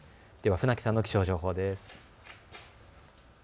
では船木さんの気象情報です。